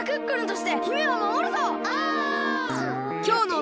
お！